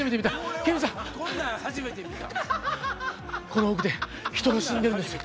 この奥で人が死んでるんですよ。